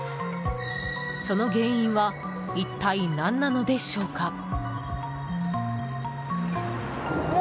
その原因は一体何なのでしょうか？